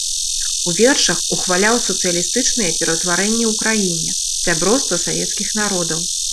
У вершах ухваляў сацыялістычныя пераўтварэнні ў краіне, сяброўства савецкіх народаў.